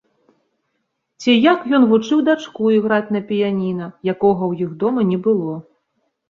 Ці як ён вучыў дачку іграць на піяніна, якога ў іх дома не было.